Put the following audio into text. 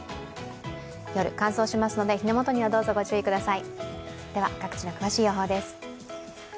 夜、乾燥しますので、火の元にはどうか御注意ください。